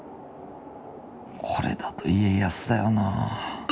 これだと家康だよなあ。